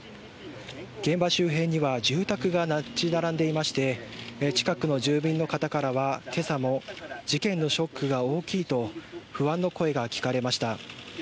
現場周辺には住宅が立ち並んでいまして近くの住民の方からは、今朝も事件のショックが大きいと不安の声が聞かれました。